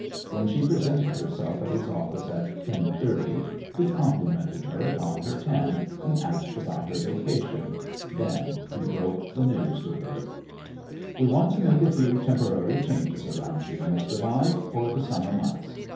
When she presented herself at his office at 10:30 he complimented her upon her tan and asked about her vacation. Then he broke the news to her. "We want to make a few temporary changes about here, Miss Devine, for the summer months.